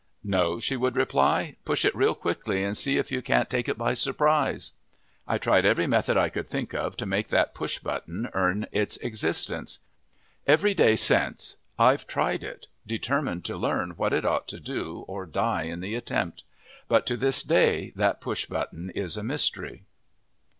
"No," she would reply. "Push it real quickly and see if you can't take it by surprise!" I tried every method I could think of to make that push button earn its existence. Every day since I've tried it, determined to learn what it ought to do or die in the attempt. But to this day that push button is a mystery.